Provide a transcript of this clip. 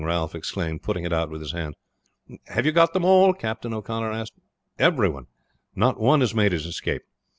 Ralph exclaimed, putting it out with his hands. "Have you got them all?" Captain O'Connor asked. "Everyone; not one has made his escape.